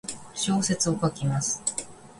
小説を書きます。